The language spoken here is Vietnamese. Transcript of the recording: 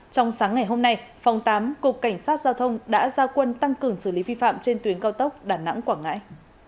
trong sáng ngày hôm nay phòng tám cục cảnh sát giao thông đã ra quân tăng cường xử lý vi phạm trên tuyến cao tốc đà nẵng quảng ngãi